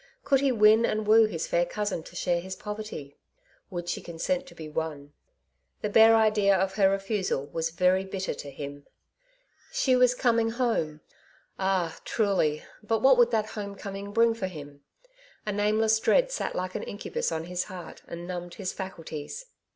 Could he win and woo his fair cousin to share his poverty ? Would she consent to be won ? The bare idea of her refusal was very bitter to him. I 176 " Two Sides to every Question.^* She was coming home! Ah, truly; but what would that home coming bring for him ? A name less dread sat like an incubus on his heart, and numbed his faculties.